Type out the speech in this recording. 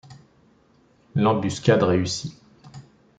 L'embuscade réussit.